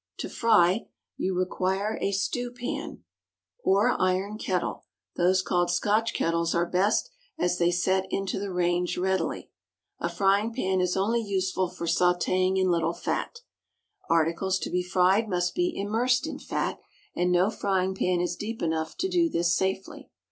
To fry, you require a stewpan or iron kettle; those called Scotch kettles are best, as they set into the range readily. A frying pan is only useful for sautéing in little fat. Articles to be fried must be immersed in fat, and no frying pan is deep enough to do this safely.